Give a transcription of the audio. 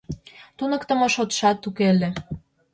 Туныктымо шотшат уке ыле.